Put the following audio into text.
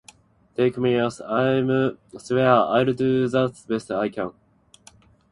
Take me as I am swear I'll do the best I can